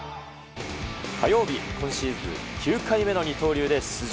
火曜日、今シーズン９回目の二刀流で出場。